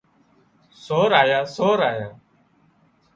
سور آيا سور آيا